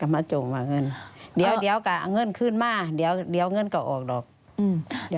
อะอะอ่ะมาจงว่าเงินเดี๋ยวกระเงินขึ้นมาเดี๋ยวเงินก่อออกดีแล้ว